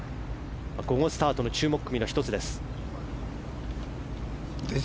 午後スタートの注目組の１つです。